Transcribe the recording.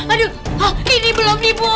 aduh ini belum dibuka